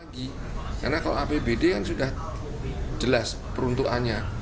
karena kalau apbd kan sudah jelas peruntukannya